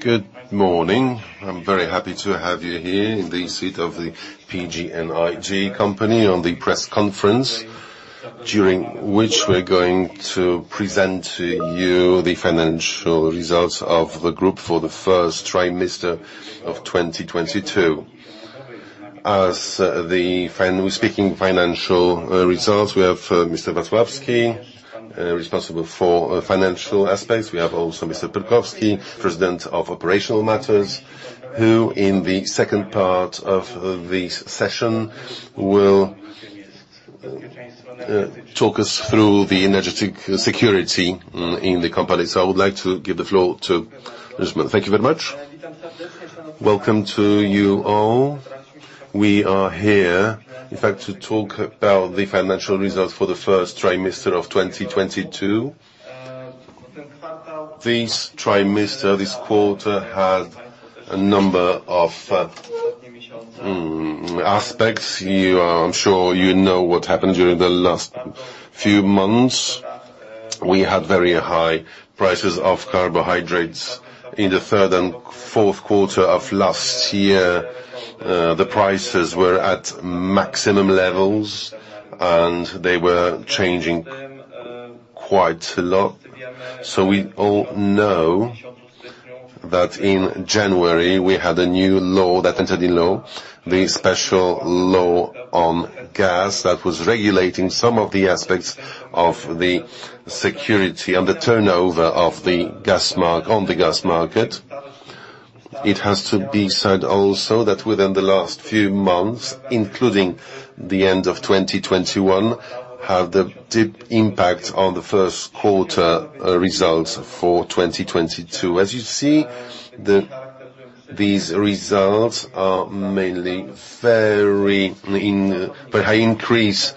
Good morning. I'm very happy to have you here in the seat of the PGNiG company on the press conference, during which we're going to present to you the financial results of the group for the first trimester of 2022. As the financial results, we have Mr. Wacławski responsible for financial aspects. We have also Mr. Robert Perkowski, President of Operational Matters, who in the second part of this session will talk us through the energy security in the company. I would like to give the floor to. [inaudible] Thank you very much. Welcome to you all. We are here, in fact, to talk about the financial results for the first trimester of 2022. This trimester, this quarter had a number of aspects. I'm sure you know what happened during the last few months. We had very high prices of hydrocarbons. In the third and fourth quarter of last year, the prices were at maximum levels, and they were changing quite a lot. We all know that in January we had a new law, the gas law, the special law on gas that was regulating some of the aspects of the security and the turnover of the gas market. It has to be said also that within the last few months, including the end of 2021, had a deep impact on the first quarter, results for 2022. As you see, these results are mainly driven by a high increase.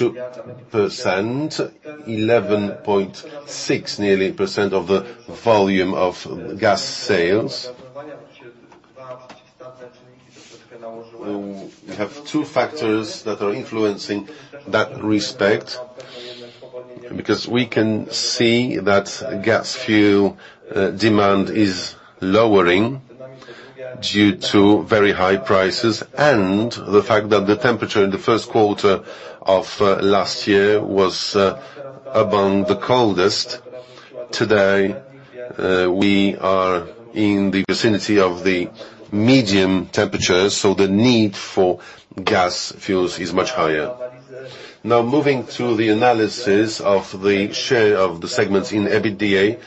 We have two factors that are influencing this result, because we can see that gas fuel demand is lowering due to very high prices and the fact that the temperature in the first quarter of last year was among the coldest. Today, we are in the vicinity of the medium temperature, so the need for gas fuels is much higher. Now, moving to the analysis of the share of the segments in EBITDA,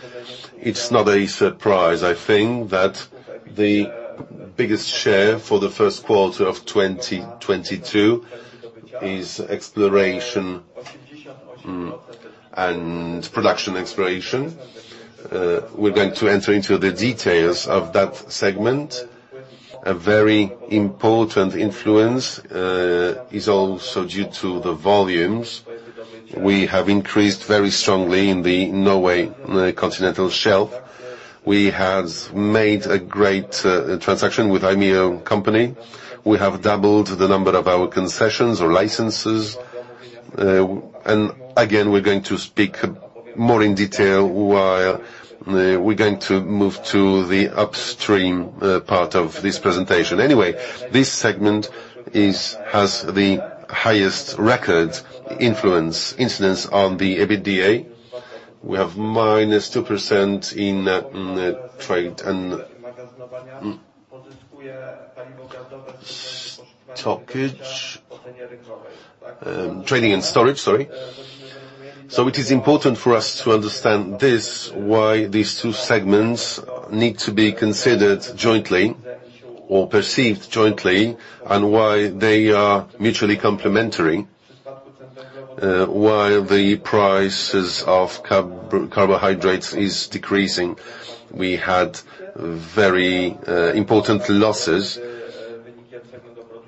it's not a surprise, I think, that the biggest share for the first quarter of 2022 is exploration and production. We're going to enter into the details of that segment. A very important influence is also due to the volumes. We have increased very strongly in the Norwegian Continental Shelf. We have made a great transaction with INEOS. We have doubled the number of our concessions or licenses. Again, we're going to speak more in detail while we're going to move to the upstream part of this presentation. Anyway, this segment has the highest influence on the EBITDA. We have -2% in trade and storage. Trading and storage, sorry. It is important for us to understand this, why these two segments need to be considered jointly or perceived jointly, and why they are mutually complementary. While the prices of hydrocarbons is decreasing, we had very important losses.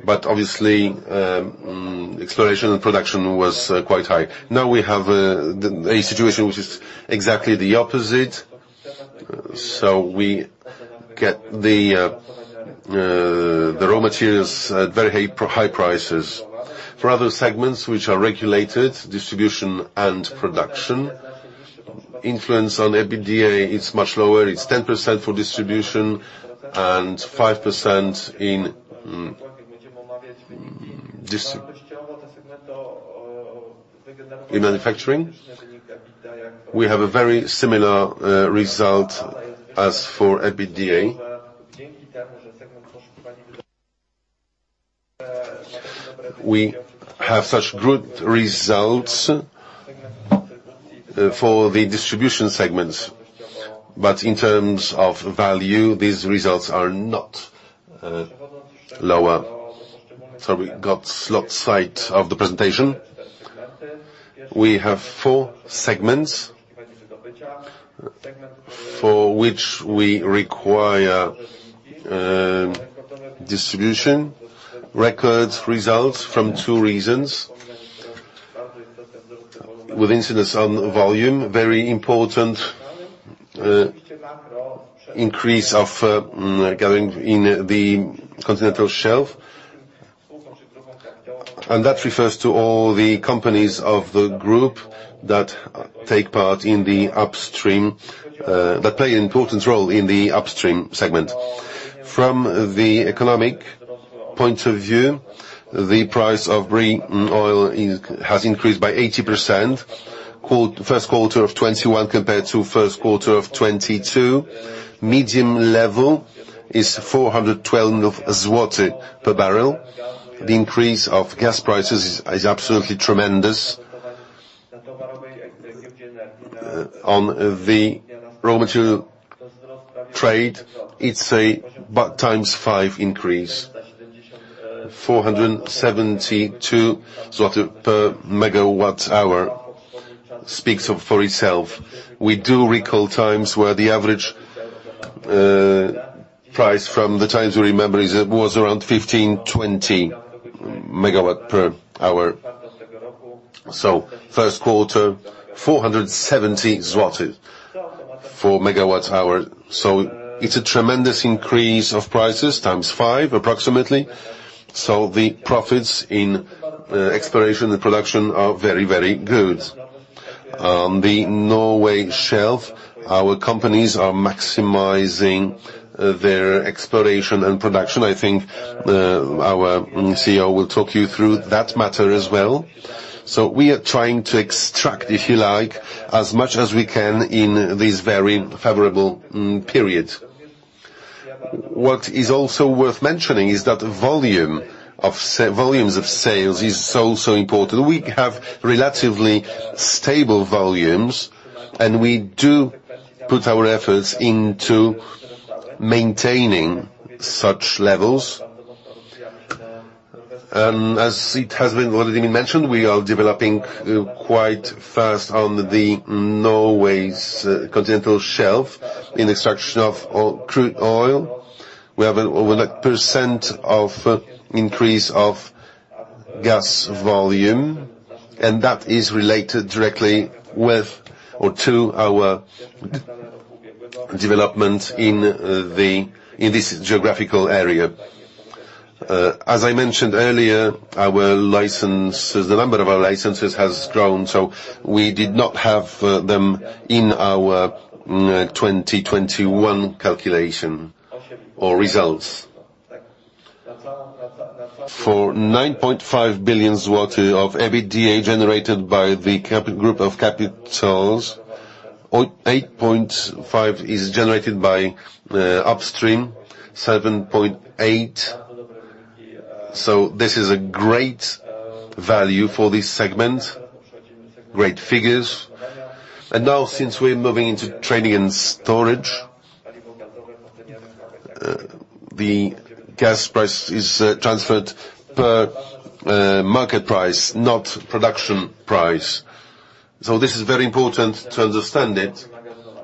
Obviously, exploration and production was quite high. Now we have a situation which is exactly the opposite, so we get the raw materials at very high prices. For other segments which are regulated, distribution and production, influence on EBITDA is much lower. It's 10% for distribution and 5% in manufacturing. We have a very similar result as for EBITDA. We have such good results for the distribution segments. In terms of value, these results are not lower. Sorry, we got lost sight of the presentation. We have four segments for which we require distribution. Record results from two regions. With incidence on volume, very important increase of going in the continental shelf. That refers to all the companies of the group that take part in the upstream that play an important role in the upstream segment. From the economic point of view, the price of crude oil has increased by 80%. First quarter of 2021 compared to first quarter of 2022. Medium level is 412 zloty per barrel. The increase of gas prices is absolutely tremendous. On the raw material trade, it's about 5x increase. PLN 472 per MWh speaks for itself. We do recall times where the average price from the times we remember was around 15-20 MWh. First quarter, PLN 470 per MWh. It's a tremendous increase of prices, times five approximately. The profits in exploration and production are very, very good. The Norwegian Continental Shelf, our companies are maximizing their exploration and production. I think our CEO will talk you through that matter as well. We are trying to extract, if you like, as much as we can in this very favorable period. What is also worth mentioning is that volumes of sales is so important. We have relatively stable volumes, and we do put our efforts into maintaining such levels. As it has already been mentioned, we are developing quite fast on the Norwegian Continental Shelf in extraction of crude oil. We have over 1% increase of gas volume, and that is related directly with or to our development in this geographical area. As I mentioned earlier, our licenses, the number of our licenses has grown, so we did not have them in our 2021 calculation or results. For 9.5 billion of EBITDA generated by the [Capital Group], 8.5 billion is generated by upstream, 7.8 billion. This is a great value for this segment, great figures. Since we're moving into trading and storage, the gas price is transferred per market price, not production price. This is very important to understand it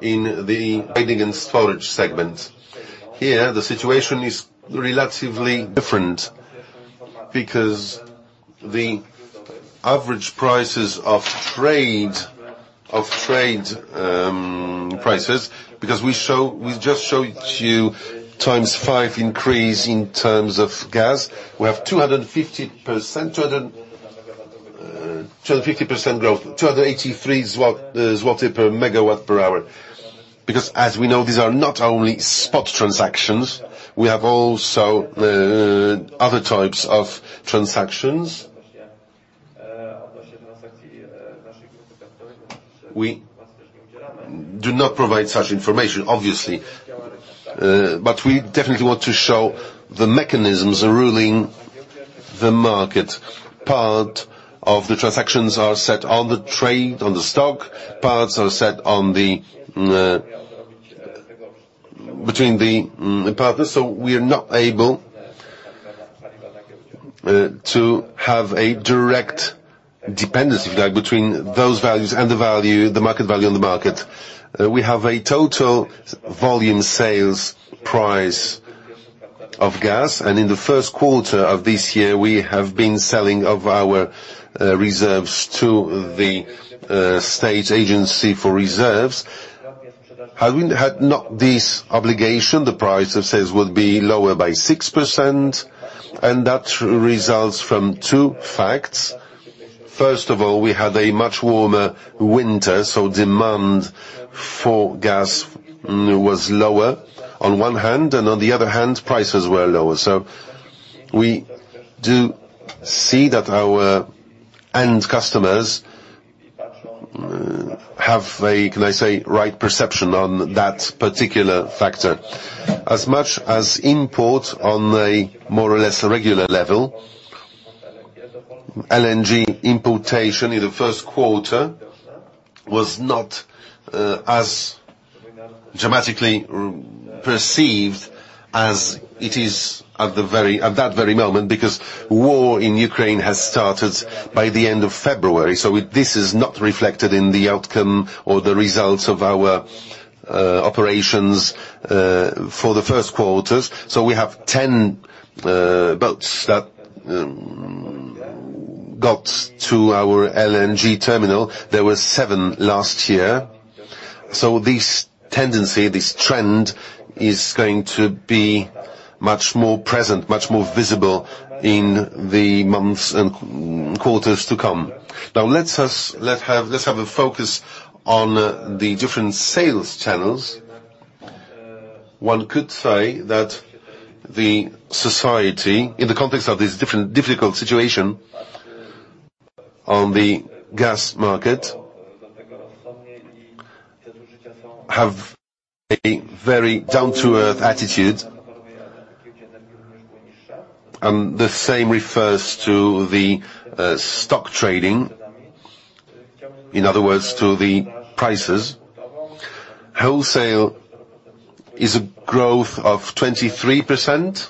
in the trading and storage segment. Here, the situation is relatively different because the average trade prices, because we just showed you 5x increase in terms of gas. We have 250% growth, 283 zloty per MWh. Because as we know, these are not only spot transactions, we have also other types of transactions. We do not provide such information, obviously. But we definitely want to show the mechanisms are ruling the market. Part of the transactions are set on the trade, on the stock, parts are set between the partners. We are not able to have a direct dependency, if you like, between those values and the value, the market value on the market. We have a total volume sales price of gas, and in the first quarter of this year, we have been selling off our reserves to the state agency for reserves. Had we had not this obligation, the price of sales would be lower by 6%, and that results from two facts. First of all, we had a much warmer winter, so demand for gas was lower on one hand, and on the other hand, prices were lower. We do see that our end customers have a, can I say, right perception on that particular factor. As much as import on a more or less regular level, LNG importation in the first quarter was not as dramatically perceived as it is at that very moment, because war in Ukraine has started by the end of February. This is not reflected in the outcome or the results of our operations for the first quarters. We have 10 boats that got to our LNG terminal. There were seven last year. This tendency, this trend, is going to be much more present, much more visible in the months and quarters to come. Now let's have a focus on the different sales channels. One could say that the society, in the context of this different, difficult situation on the gas market, have a very down-to-earth attitude. The same refers to the stock trading, in other words, to the prices. Wholesale is a growth of 23%.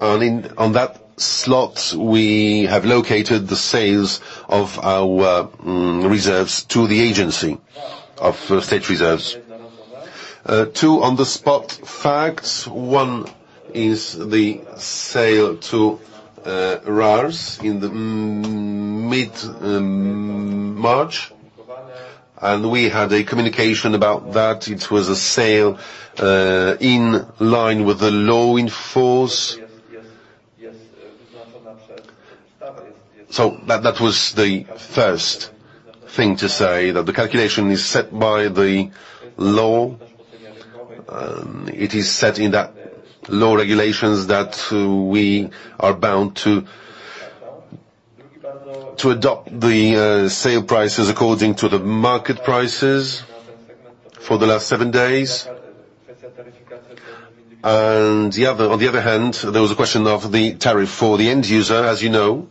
On that slot, we have located the sales of our reserves to the agency of state reserves. Two on-the-spot facts. One is the sale to RARS in mid-March, and we had a communication about that. It was a sale in line with the law in force. That was the first thing to say, that the calculation is set by the law. It is set in that law regulations that we are bound to adopt the sale prices according to the market prices for the last seven days. On the other hand, there was a question of the tariff for the end user. As you know,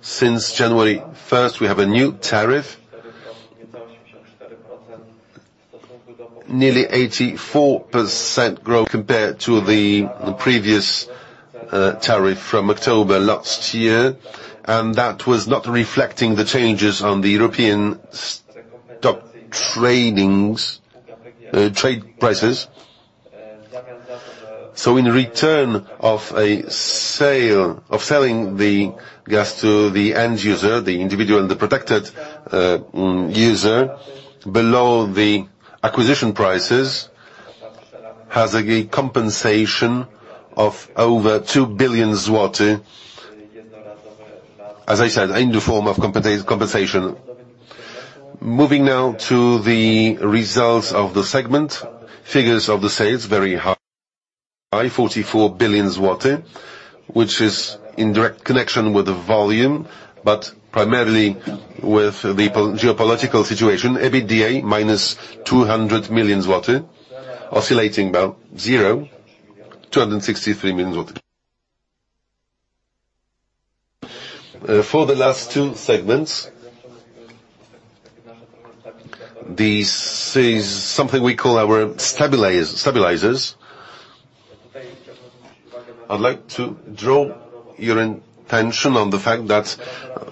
since January 1st, we have a new tariff. Nearly 84% growth compared to the previous tariff from October last year. That was not reflecting the changes on the European spot trade prices. In return of a sale, of selling the gas to the end user, the industrial and the protected user, below the acquisition prices, has a compensation of over 2 billion zloty, as I said, in the form of compensation. Moving now to the results of the segment. Figures of the sales, very high, 44 billion, which is in direct connection with the volume, but primarily with the geopolitical situation, EBITDA -200 million zloty, oscillating about zero, 263 million zloty. For the last two segments, this is something we call our stabilizers. I'd like to draw your attention on the fact that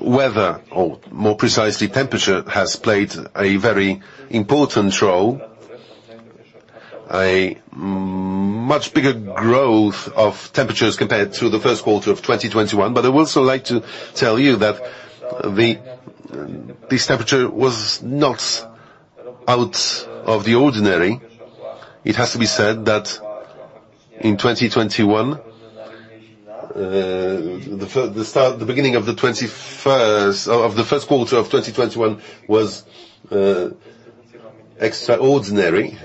weather, or more precisely, temperature, has played a very important role. A much bigger growth of temperatures compared to the first quarter of 2021. I would also like to tell you that this temperature was not out of the ordinary. It has to be said that in 2021, the start, the beginning of the first quarter of 2021 was extraordinary.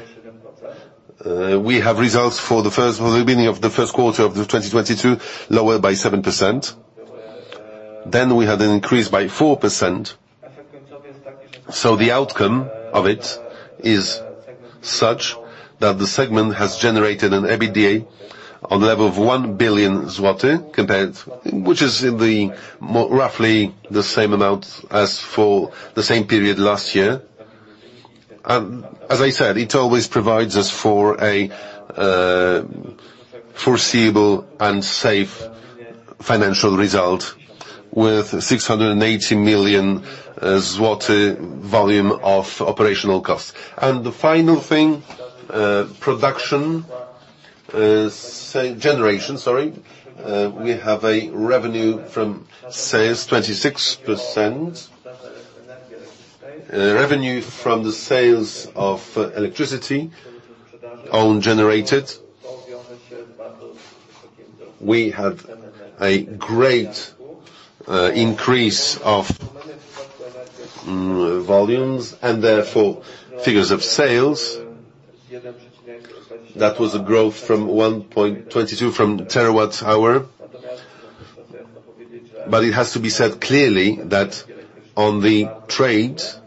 We have results for the beginning of the first quarter of 2022, lower by 7%. We had an increase by 4%, the outcome of it is such that the segment has generated an EBITDA on level of 1 billion zloty compared. Which is roughly the same amount as for the same period last year. It always provides us for a foreseeable and safe financial result with 680 million zloty volume of operational costs. The final thing, production generation. We have a revenue from sales 26%. Revenue from the sales of electricity own generated. We have a great increase of volumes and therefore figures of sales. That was a growth from 1.22 terawatt-hours. It has to be said clearly that on the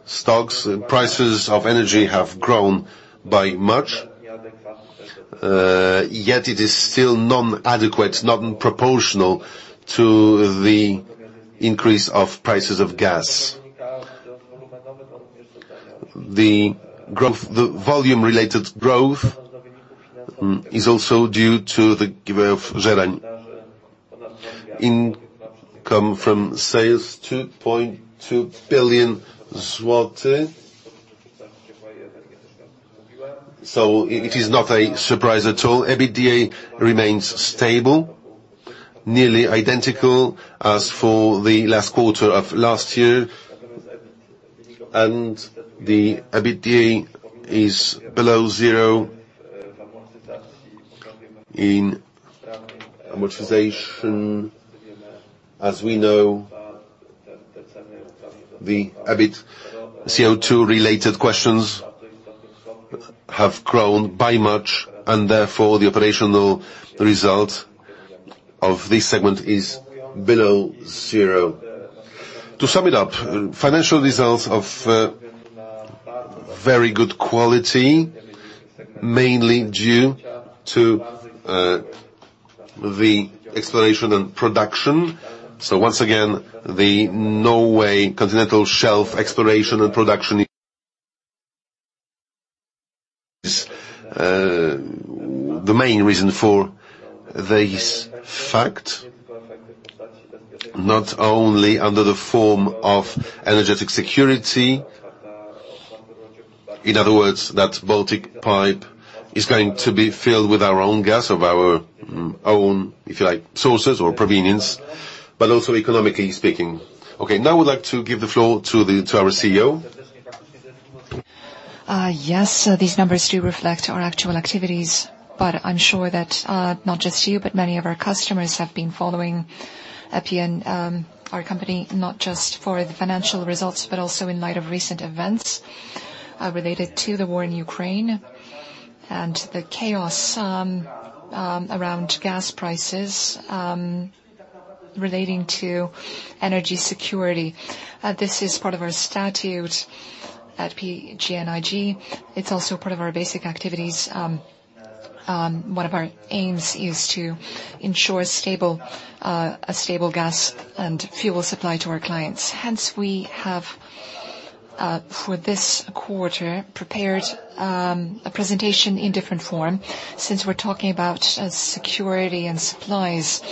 spot prices of energy have grown much. Yet it is still inadequate, not proportional to the increase of prices of gas. The growth the volume-related growth is also due to the giveaway of Żerań. Income from sales, 2.2 billion zloty. It is not a surprise at all. EBITDA remains stable, nearly identical as for the last quarter of last year. The EBITDA is below zero in amortization. As we know, the EBIT CO2-related costs have grown much, and therefore the operational result of this segment is below zero. To sum it up, financial results of very good quality, mainly due to the exploration and production. Once again, the Norwegian Continental Shelf exploration and production is the main reason for this fact, not only under the form of energy security. In other words, that Baltic Pipe is going to be filled with our own gas of our own, if you like, sources or provenience, but also economically speaking. Okay, now I would like to give the floor to our CEO. Yes, these numbers do reflect our actual activities, but I'm sure that not just you, but many of our customers have been following PGNiG, our company, not just for the financial results, but also in light of recent events related to the war in Ukraine and the chaos around gas prices relating to energy security. This is part of our statute at PGNiG. It's also part of our basic activities. One of our aims is to ensure a stable gas and fuel supply to our clients. Hence, we have for this quarter prepared a presentation in different form. Since we're talking about security and supplies,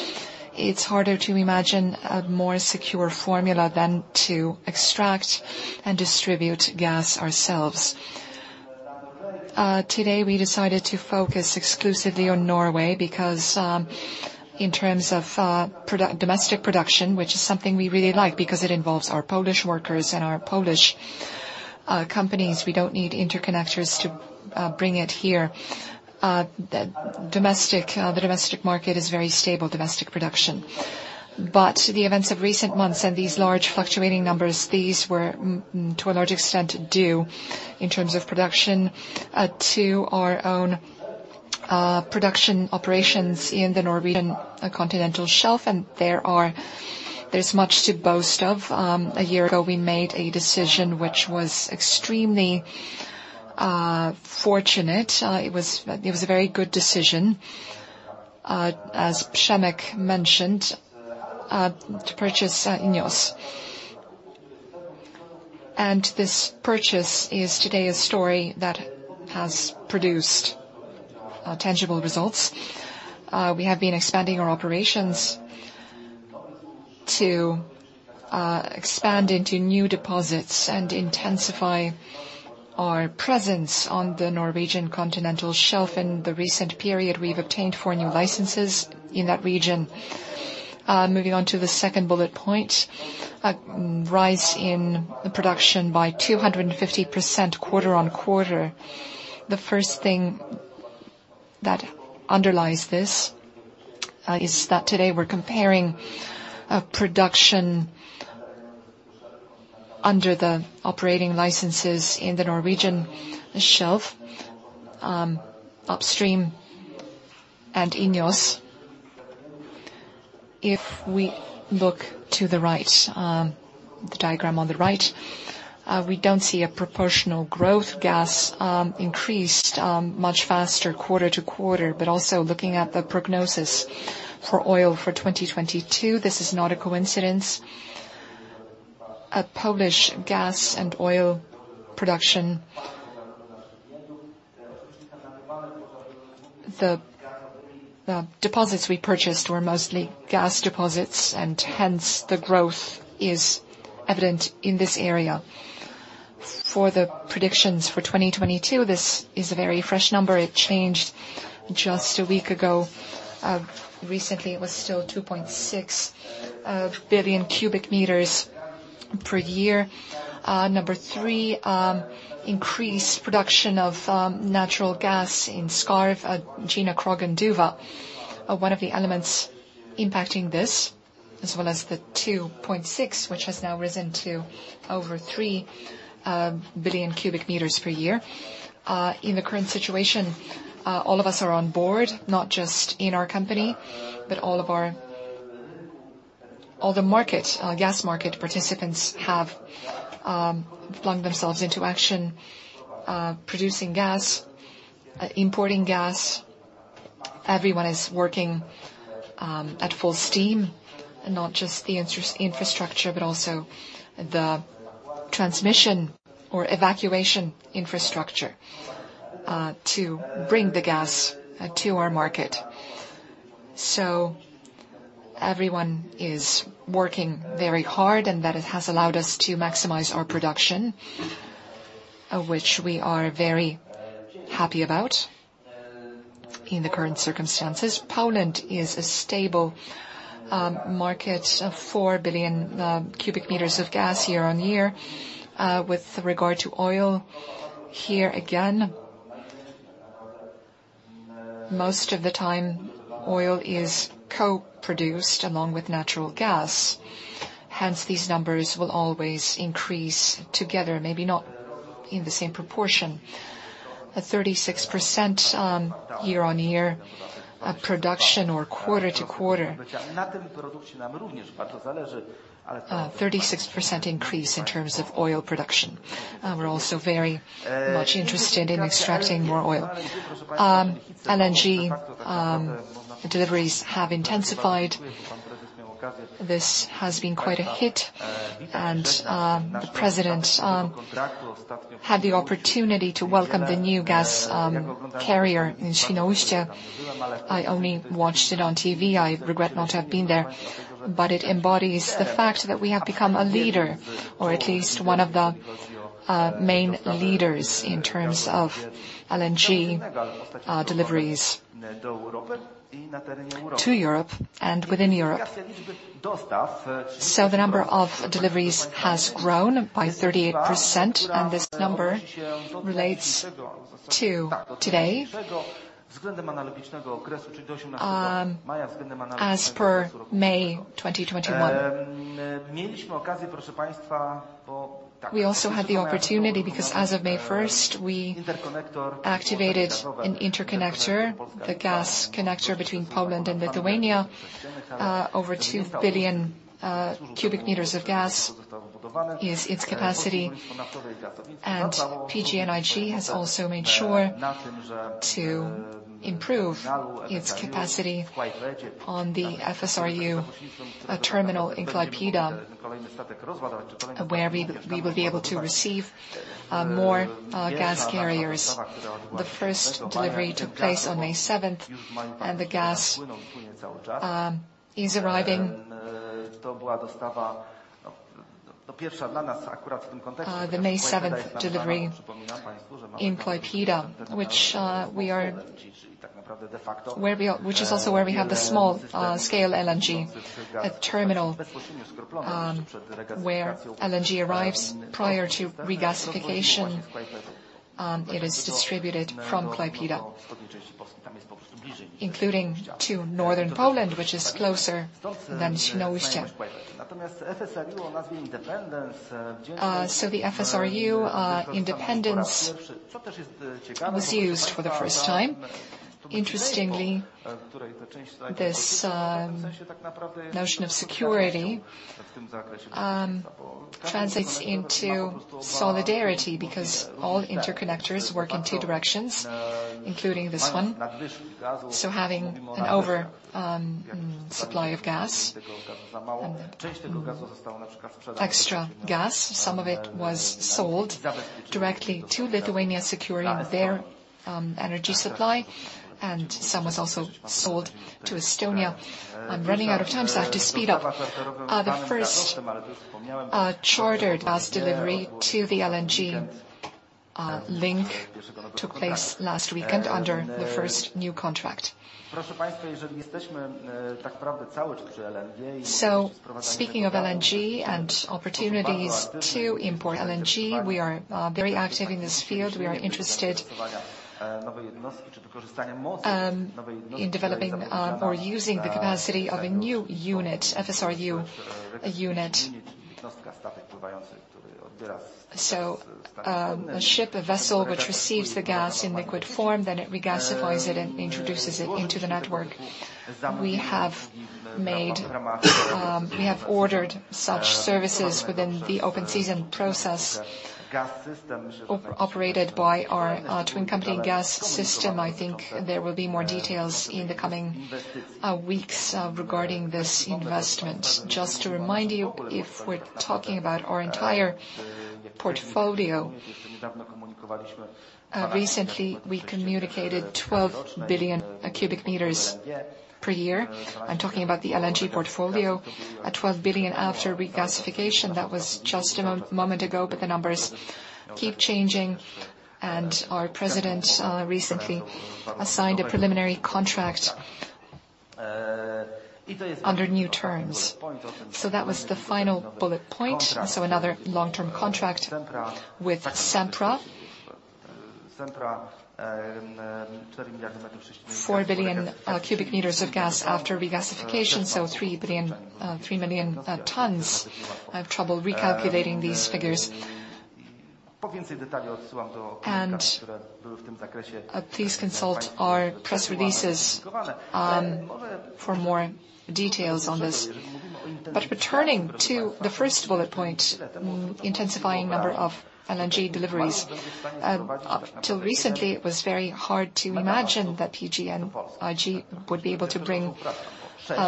it's harder to imagine a more secure formula than to extract and distribute gas ourselves. Today, we decided to focus exclusively on Norway because in terms of domestic production, which is something we really like because it involves our Polish workers and our Polish companies. We don't need interconnectors to bring it here. The domestic market is very stable, domestic production. The events of recent months and these large fluctuating numbers, these were to a large extent due in terms of production to our own production operations in the Norwegian Continental Shelf, and there is much to boast of. A year ago, we made a decision which was extremely fortunate. It was a very good decision, as Przemysław mentioned, to purchase INEOS. This purchase is today a story that has produced tangible results. We have been expanding our operations to expand into new deposits and intensify our presence on the Norwegian Continental Shelf. In the recent period, we've obtained four new licenses in that region. Moving on to the second bullet point, a rise in the production by 250% quarter-on-quarter. The first thing that underlies this is that today we're comparing production under the operating licenses in the Norwegian Continental Shelf, upstream and INEOS. If we look to the right, the diagram on the right, we don't see a proportional growth. Gas increased much faster quarter-to-quarter, but also looking at the prognosis for oil for 2022, this is not a coincidence. In Polish gas and oil production, the deposits we purchased were mostly gas deposits, and hence the growth is evident in this area. For the predictions for 2022, this is a very fresh number. It changed just a week ago. Recently, it was still 2.6 billion cubic meters per year. Number three, increased production of natural gas in Skarv, Gina Krog and Duva are one of the elements impacting this, as well as the 2.6 billion, which has now risen to over 3 billion cubic meters per year. In the current situation, all of us are on board, not just in our company, but all the gas market participants have flung themselves into action, producing gas, importing gas. Everyone is working at full steam, not just the infrastructure, but also the transmission or evacuation infrastructure to bring the gas to our market. Everyone is working very hard, and that it has allowed us to maximize our production, of which we are very happy about in the current circumstances. Poland is a stable market of 4 billion cubic meters of gas year-on-year. With regard to oil, here again, most of the time oil is co-produced along with natural gas. Hence, these numbers will always increase together, maybe not in the same proportion. A 36% year-on-year production or quarter-to-quarter, a 36% increase in terms of oil production. We're also very much interested in extracting more oil. LNG deliveries have intensified. This has been quite a hit, and the president had the opportunity to welcome the new gas carrier in Świnoujście. I only watched it on TV. I regret not have been there, but it embodies the fact that we have become a leader, or at least one of the main leaders in terms of LNG deliveries to Europe and within Europe. The number of deliveries has grown by 38%, and this number relates to today, as per May 2021. We also had the opportunity because as of May 1st, we activated an interconnector, the gas connector between Poland and Lithuania. Over 2 billion cubic meters of gas is its capacity, and PGNiG has also made sure to improve its capacity on the FSRU terminal in Klaipėda, where we will be able to receive more gas carriers. The first delivery took place on May 7th, and the gas is arriving. The May 7th delivery in Klaipėda, which is also where we have the small-scale LNG terminal, where LNG arrives prior to regasification. It is distributed from Klaipėda, including to northern Poland, which is closer than Świnoujście. The FSRU Independence was used for the first time. Interestingly, this notion of security translates into solidarity because all interconnectors work in two directions, including this one. Having an oversupply of gas, extra gas, some of it was sold directly to Lithuania, securing their energy supply, and some was also sold to Estonia. I'm running out of time, so I have to speed up. The first chartered gas delivery to the LNG link took place last weekend under the first new contract. Speaking of LNG and opportunities to import LNG, we are very active in this field. We are interested in developing or using the capacity of a new unit, FSRU unit. A ship, a vessel which receives the gas in liquid form, then it regasifies it and introduces it into the network. We have ordered such services within the open season process operated by our twin company Gaz-System. I think there will be more details in the coming weeks regarding this investment. Just to remind you, if we're talking about our entire portfolio, recently we communicated 12 billion cubic meters per year. I'm talking about the LNG portfolio at 12 billion after regasification. That was just a moment ago, but the numbers keep changing, and our president recently signed a preliminary contract under new terms. That was the final bullet point. Another long-term contract with Sempra. 4 billion cubic meters of gas after regasification, so 3 billion, 3 million tons. I have trouble recalculating these figures. Please consult our press releases for more details on this. Returning to the first bullet point, intensifying number of LNG deliveries. Until recently, it was very hard to imagine that PGNiG would be able to bring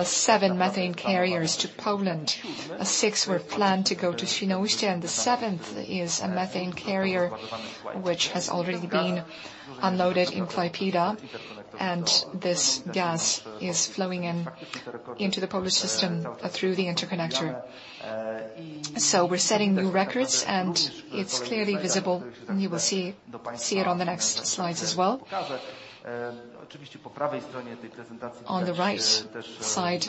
seven methane carriers to Poland. Six were planned to go to Świnoujście, and the seventh is a methane carrier which has already been unloaded in Klaipėda, and this gas is flowing into the Polish system through the interconnector. We're setting new records, and it's clearly visible, and you will see it on the next slides as well. On the right side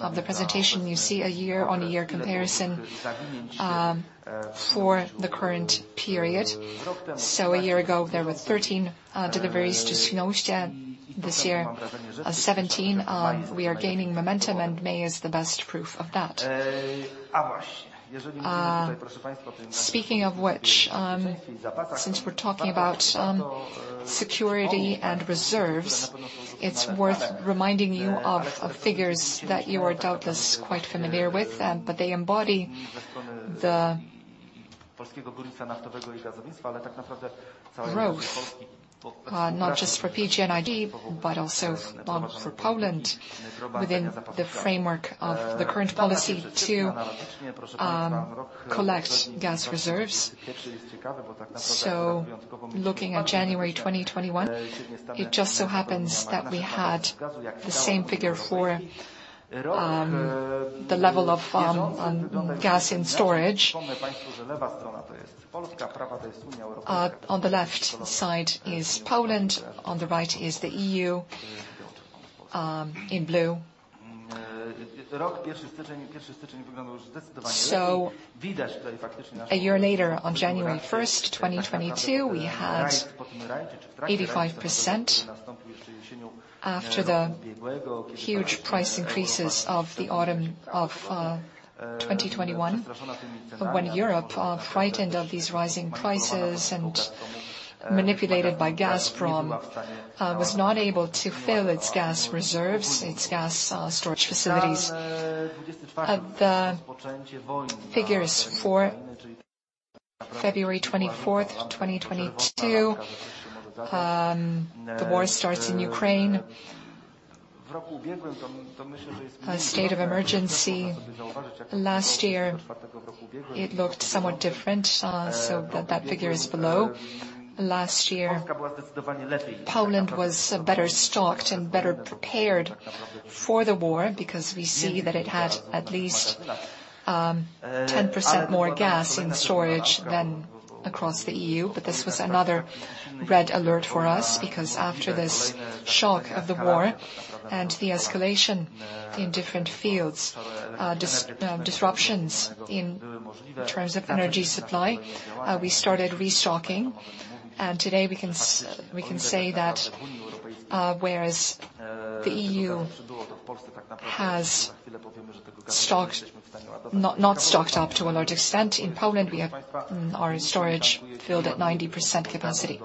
of the presentation, you see a year-on-year comparison for the current period. A year ago, there were 13 deliveries to Świnoujście. This year, 17. We are gaining momentum, and May is the best proof of that. Speaking of which, since we're talking about security and reserves, it's worth reminding you of figures that you are doubtless quite familiar with. They embody the growth not just for PGNiG, but also for Poland within the framework of the current policy to collect gas reserves. Looking at January 2021, it just so happens that we had the same figure for the level of gas in storage. On the left side is Poland. On the right is the EU in blue. A year later, on January 1st, 2022, we had 85% after the huge price increases of the autumn of 2021, when Europe, frightened of these rising prices and manipulated by Gazprom, was not able to fill its gas reserves, its gas storage facilities. The figure is for February 24th, 2022. The war starts in Ukraine. A state of emergency. Last year it looked somewhat different, so that figure is below. Last year, Poland was better stocked and better prepared for the war because we see that it had at least 10% more gas in storage than across the EU. This was another red alert for us because after this shock of the war and the escalation in different fields, disruptions in terms of energy supply, we started restocking. Today we can say that, whereas the EU has not stocked up to a large extent, in Poland we have our storage filled at 90% capacity.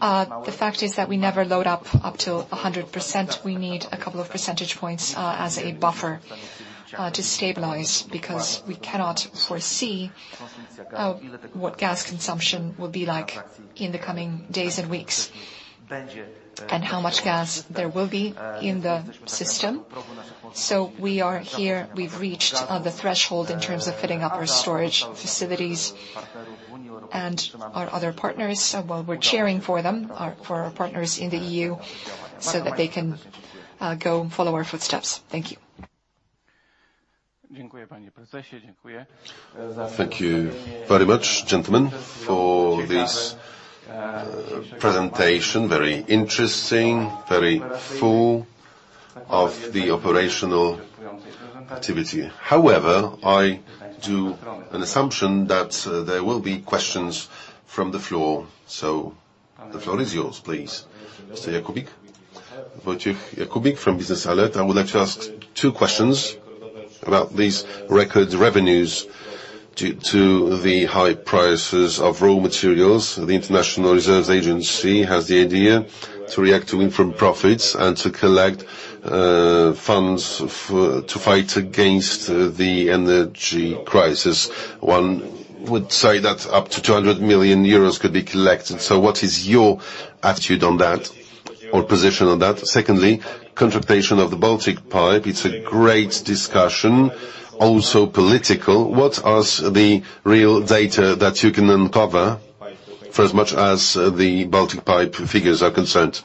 The fact is that we never load up to 100%. We need a couple of percentage points as a buffer to stabilize, because we cannot foresee what gas consumption will be like in the coming days and weeks, and how much gas there will be in the system. We are here. We've reached the threshold in terms of filling up our storage facilities. Our other partners, well, we're cheering for them, for our partners in the EU, so that they can go follow our footsteps. Thank you. Thank you very much, gentlemen, for this presentation. Very interesting, very full of the operational activity. However, I do an assumption that there will be questions from the floor. The floor is yours, please. Mr. Jakubik. Wojciech Jakubik from BiznesAlert. I would like to ask two questions about these record revenues due to the high prices of raw materials. The International Energy Agency has the idea to react to interim profits and to collect funds for to fight against the energy crisis. One would say that up to 200 million euros could be collected. What is your attitude on that or position on that? Secondly, construction of the Baltic Pipe. It is a great discussion, also political. What is the real data that you can uncover for as much as the Baltic Pipe figures are concerned?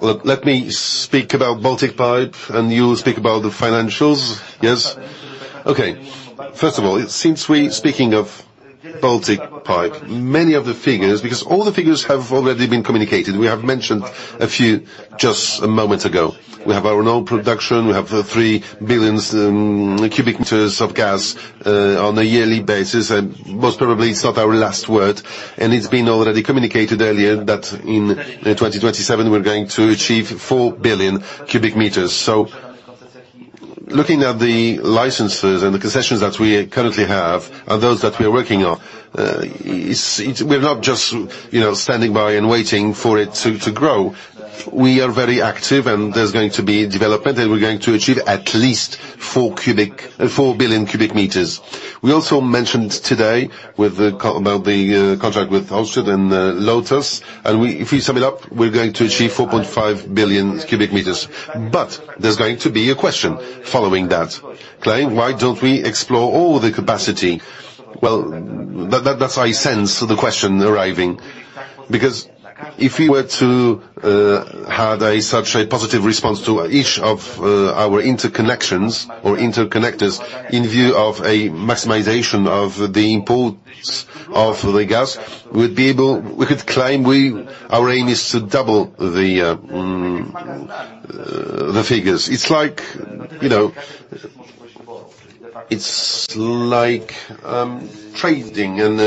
Look, let me speak about Baltic Pipe and you speak about the financials. Yes. Okay. First of all, Speaking of Baltic Pipe, many of the figures, because all the figures have already been communicated, we have mentioned a few just a moment ago. We have our own production, we have the 3 billion cubic meters of gas on a yearly basis, and most probably it's not our last word. It's been already communicated earlier that in 2027 we're going to achieve 4 billion cubic meters. Looking at the licenses and the concessions that we currently have, and those that we are working on, it's. We're not just, you know, standing by and waiting for it to grow. We are very active and there's going to be development, and we're going to achieve at least 4 billion cubic meters. We also mentioned today about the contract with Austria and LOTOS. We, if we sum it up, we're going to achieve 4.5 billion cubic meters. But there's going to be a question following that claim, why don't we explore all the capacity? Well, that's how I sense the question arriving. Because if we were to have such a positive response to each of our interconnections or interconnectors in view of a maximization of the imports of the gas, we could claim we, our aim is to double the figures. It's like trading and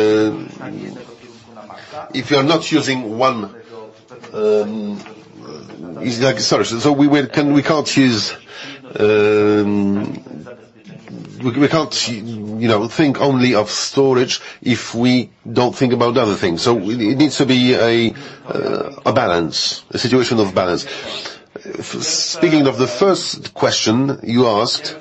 if you're not using one. It's like storage. We can't, you know, think only of storage if we don't think about other things. It needs to be a balance, a situation of balance. Speaking of the first question you asked,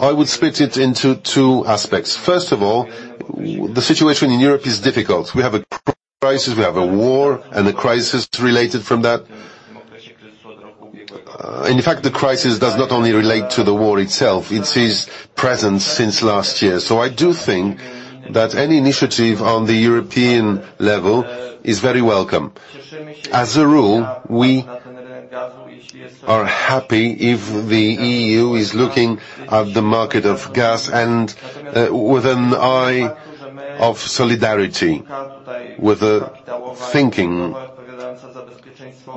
I would split it into two aspects. First of all, the situation in Europe is difficult. We have a crisis, we have a war, and the crisis related from that. In fact, the crisis does not only relate to the war itself, it is present since last year. I do think that any initiative on the European level is very welcome. As a rule, we are happy if the EU is looking at the market of gas and with an eye of solidarity, with a thinking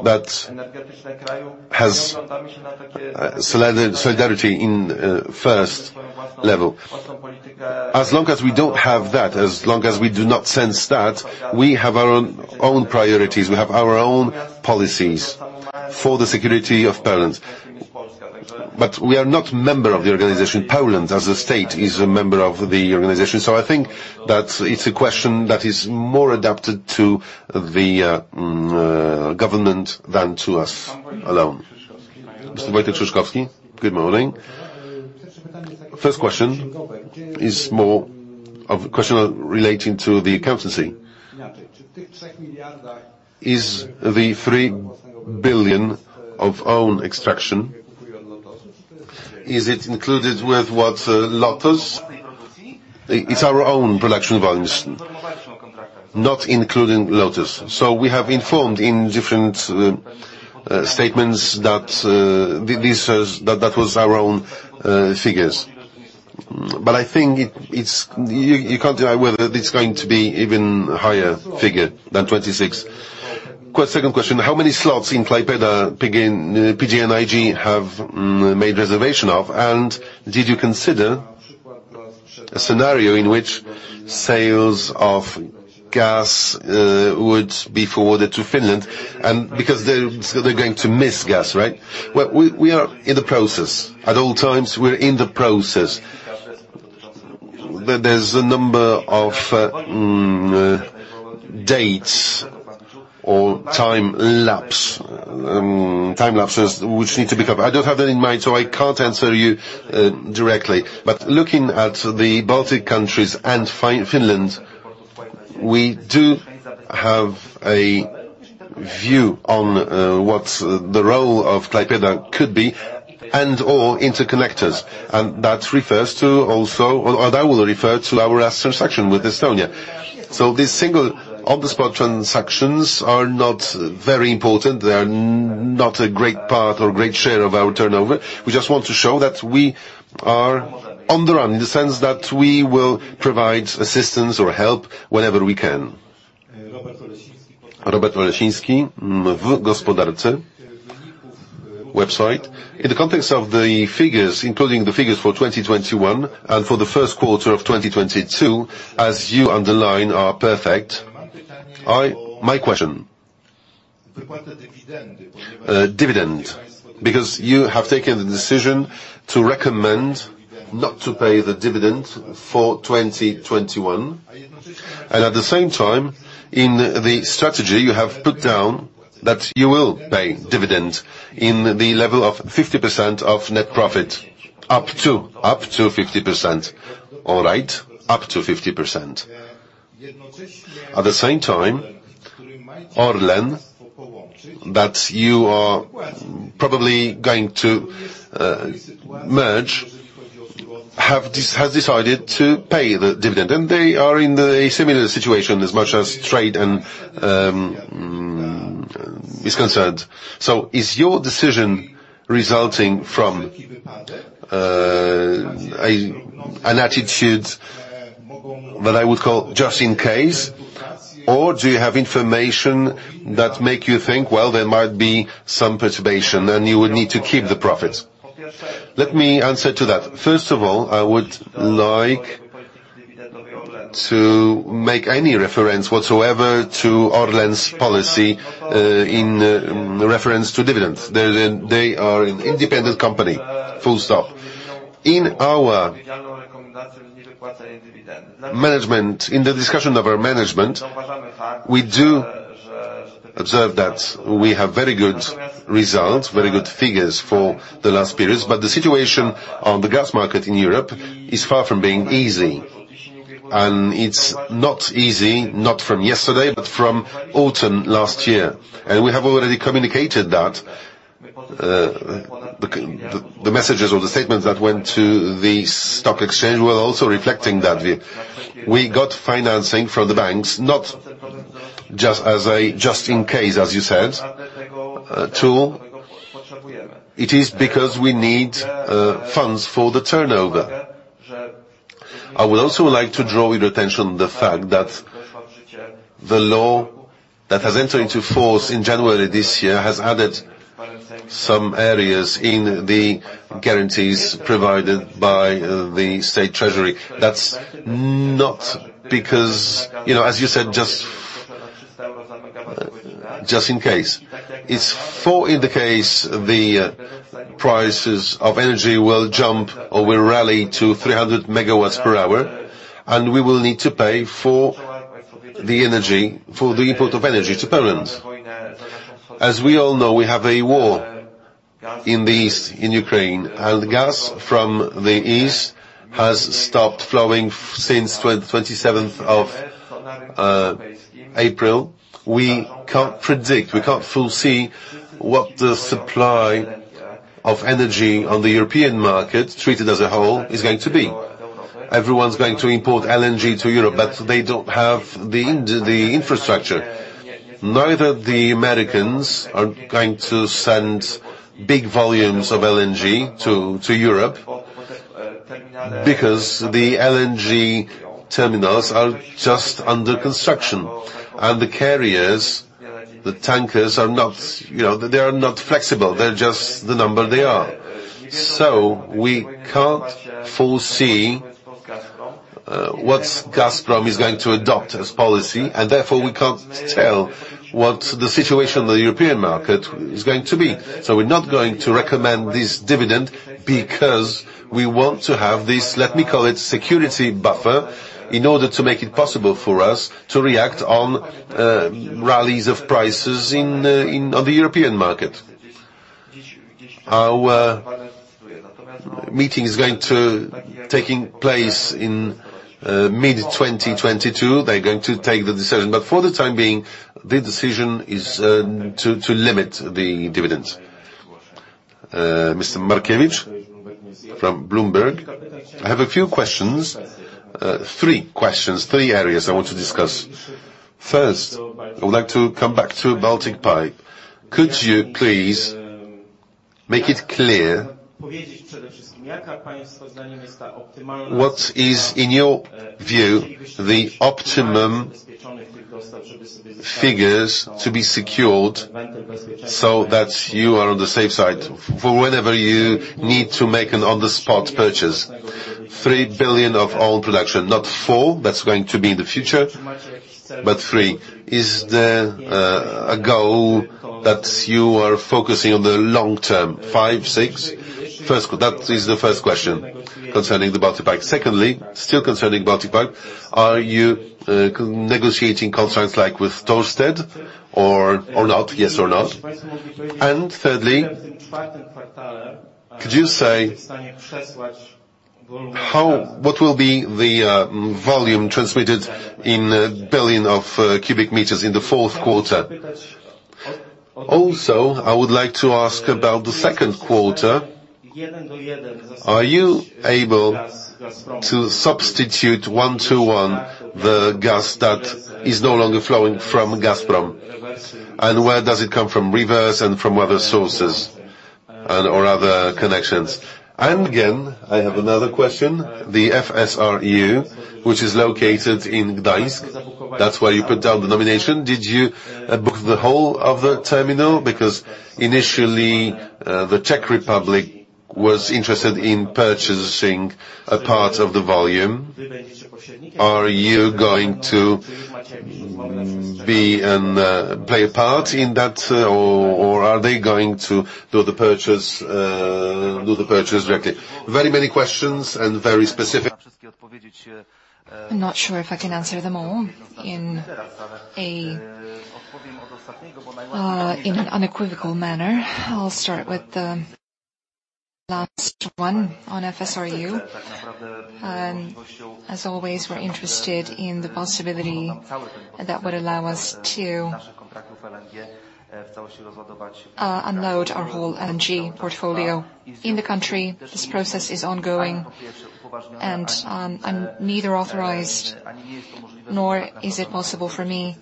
that has solidarity in first level. As long as we don't have that, as long as we do not sense that, we have our own priorities, we have our own policies for the security of Poland. We are not a member of the organization. Poland as a state is a member of the organization. I think that it's a question that is more adapted to the government than to us alone. Mr. Wojciech Szulzkowski. Good morning. First question is more of a question relating to the accounting. Is the 3 billion of own extraction included with what LOTOS? It's our own production volumes, not including LOTOS. We have informed in different statements that this is that was our own figures. I think you can't deny whether this is going to be even higher figure than 26%. Second question. How many slots in Klaipėda PGNiG have made reservation of? Did you consider a scenario in which sales of gas would be forwarded to Finland, and because they're going to miss gas, right? Well, we are in the process. At all times, we're in the process. There's a number of dates or time lapses which need to be covered. I don't have that in mind, so I can't answer you directly. Looking at the Baltic countries and Finland, we do have a view on what's the role of Klaipėda could be and/or interconnectors. That refers to also, or that will refer to our asset section with Estonia. These single on-the-spot transactions are not very important. They are not a great part or great share of our turnover. We just want to show that we are on the run, in the sense that we will provide assistance or help wherever we can. Robert Olesiński, [inaudible] in the context of the figures, including the figures for 2021 and for the first quarter of 2022, as you underline, are perfect. My question, dividend, because you have taken the decision to recommend not to pay the dividend for 2021, and at the same time, in the strategy, you have put down that you will pay dividend in the level of 50% of net profit. Up to 50%. All right, up to 50%. At the same time, ORLEN, that you are probably going to merge, has decided to pay the dividend. They are in the similar situation as much as trading is concerned. Is your decision resulting from an attitude that I would call just in case, or do you have information that make you think, "Well, there might be some perturbation," and you would need to keep the profits? Let me answer to that. First of all, I would like to make no reference whatsoever to ORLEN's policy in reference to dividends. They are an independent company, full stop. In our management, in the discussion of our management, we do observe that we have very good results, very good figures for the last periods, but the situation on the gas market in Europe is far from being easy. It's not easy, not from yesterday, but from autumn last year. We have already communicated that, the messages or the statements that went to the stock exchange were also reflecting that we got financing from the banks, not just as a just in case, as you said, tool. It is because we need funds for the turnover. I would also like to draw your attention to the fact that the law that has entered into force in January this year has added some areas in the guarantees provided by the state treasury. That's not because, you know, as you said, just in case. It's in case the prices of energy will jump or will rally to 300 MWh, and we will need to pay for the energy, for the import of energy to Poland. As we all know, we have a war in the east, in Ukraine, and gas from the east has stopped flowing since the 27th of April. We can't predict, we can't foresee what the supply of energy on the European market, treated as a whole, is going to be. Everyone's going to import LNG to Europe, but they don't have the infrastructure. Neither the Americans are going to send big volumes of LNG to Europe because the LNG terminals are just under construction. The carriers, the tankers are not flexible. They're just the number they are. We can't foresee what Gazprom is going to adopt as policy, and therefore we can't tell what the situation on the European market is going to be. We're not going to recommend this dividend because we want to have this, let me call it security buffer, in order to make it possible for us to react on rallies of prices in on the European market. Our meeting is taking place in mid-2022. They're going to take the decision. For the time being, the decision is to limit the dividends. Mr. Martewicz from Bloomberg News. I have a few questions, three questions, three areas I want to discuss. First, I would like to come back to Baltic Pipe. Could you please make it clear what is, in your view, the optimum figures to be secured so that you are on the safe side for whenever you need to make an on-the-spot purchase? 3 billion of oil production, not 4 billion, that's going to be in the future, but 3 billion. Is there a goal that you are focusing on the long term, 5 billion, 6 billion? First, that is the first question concerning the Baltic Pipe. Secondly, still concerning Baltic Pipe, are you negotiating contracts like with Ørsted or not? Yes or no? Thirdly, could you say what will be the volume transmitted in billion of cubic meters in the fourth quarter? Also, I would like to ask about the second quarter. Are you able to substitute one-to-one the gas that is no longer flowing from Gazprom? Where does it come from, reverse and from other sources and or other connections? Again, I have another question. The FSRU, which is located in Gdańsk. That's why you put down the nomination. Did you book the whole of the terminal? Because initially, the Czech Republic was interested in purchasing a part of the volume. Are you going to be and play a part in that, or are they going to do the purchase directly? Very many questions and very specific. I'm not sure if I can answer them all in an unequivocal manner. I'll start with the last one on FSRU. As always, we're interested in the possibility that would allow us to unload our whole LNG portfolio in the country. This process is ongoing and I'm neither authorized nor is it possible for me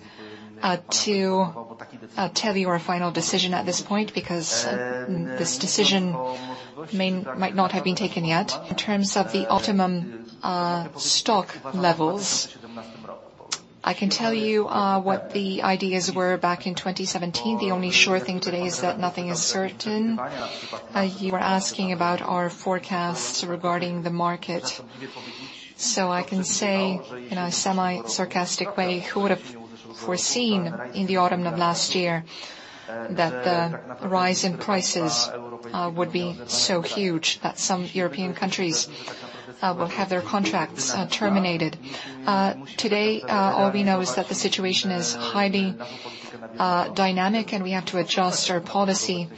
to tell you our final decision at this point, because this decision might not have been taken yet. In terms of the optimum stock levels, I can tell you what the ideas were back in 2017. The only sure thing today is that nothing is certain. You were asking about our forecasts regarding the market. I can say in a semi-sarcastic way, who would have foreseen in the autumn of last year that the rise in prices would be so huge that some European countries will have their contracts terminated? Today, all we know is that the situation is highly dynamic and we have to adjust our policy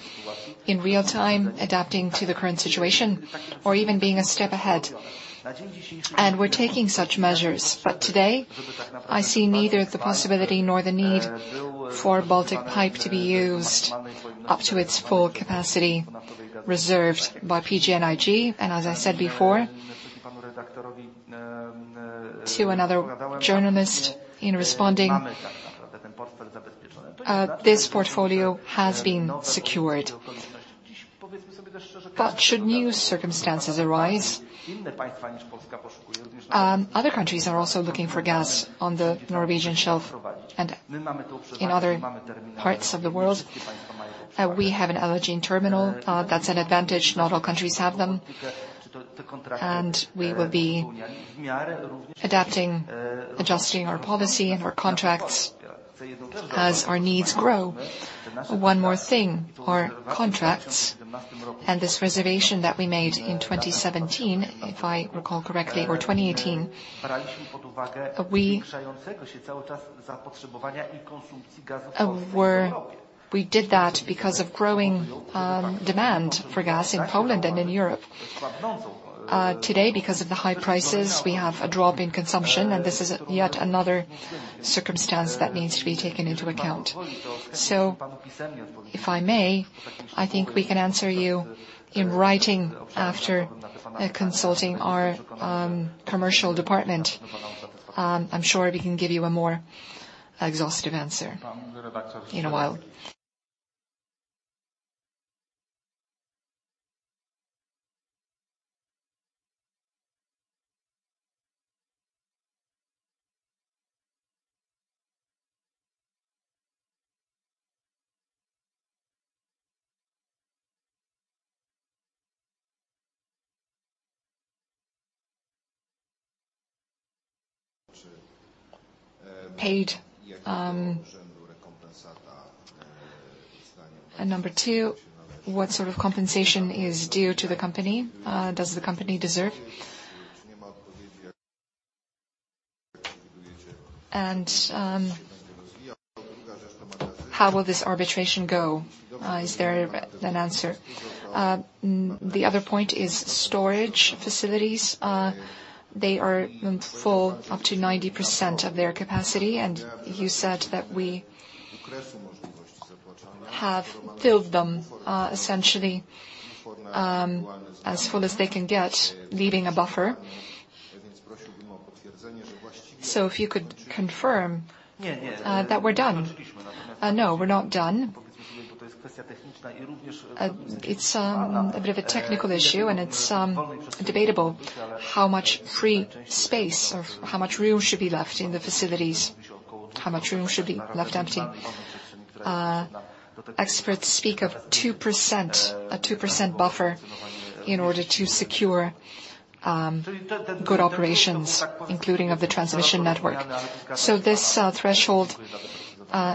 in real time, adapting to the current situation or even being a step ahead. We're taking such measures. Today, I see neither the possibility nor the need for Baltic Pipe to be used up to its full capacity reserved by PGNiG. As I said before, to another journalist in responding, this portfolio has been secured. Should new circumstances arise, other countries are also looking for gas on the Norwegian shelf and in other parts of the world. We have an LNG terminal. That's an advantage, not all countries have them. We will be adapting, adjusting our policy and our contracts as our needs grow. One more thing, our contracts and this reservation that we made in 2017, if I recall correctly, or 2018. We did that because of growing demand for gas in Poland and in Europe. Today, because of the high prices, we have a drop in consumption, and this is yet another circumstance that needs to be taken into account. If I may, I think we can answer you in writing after consulting our commercial department. I'm sure we can give you a more exhaustive answer in a while. Paid. Number two, what sort of compensation is due to the company? Does the company deserve? How will this arbitration go? Is there an answer? The other point is storage facilities. They are full up to 90% of their capacity, and you said that we have filled them, essentially, as full as they can get, leaving a buffer. If you could confirm that we're done. No, we're not done. It's a bit of a technical issue, and it's debatable how much free space or how much room should be left in the facilities, how much room should be left empty. Experts speak of 2%, a 2% buffer in order to secure good operations, including of the transmission network. This threshold